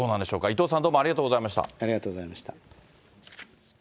伊藤さん、どうもありがありがとうございました。